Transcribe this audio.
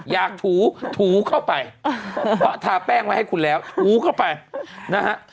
ถูถูเข้าไปเพราะทาแป้งไว้ให้คุณแล้วถูเข้าไปนะฮะ